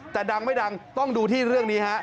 แต่ดังไม่ดังต้องดูที่เรื่องนี้ฮะ